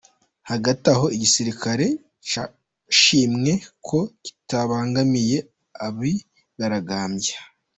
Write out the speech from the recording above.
Hagati aho, igisirikare cyashimwe ko kitabangamiye abigaragambya.